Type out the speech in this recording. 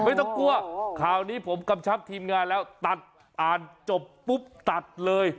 ไม่ต้องกลัวข่าวนี้ผมกำชับทีมงานแล้วตัดอ่านจบปุ๊บตัดเลย